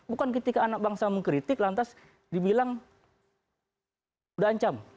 bukan ketika anak bangsa mengkritik lantas dibilang sudah ancam